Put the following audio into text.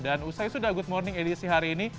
dan usai sudah good morning edisi hari ini